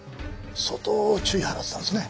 相当注意を払っていたんですね。